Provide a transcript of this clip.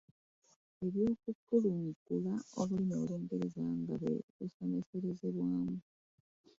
Eby’okukukugula olulimi olungereza nga si lwe lusomeserezebwamu